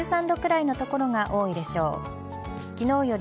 １３度くらいの所が多いでしょう。